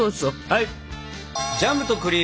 はい。